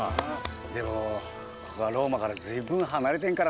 でもここはローマから随分離れてんからなあ。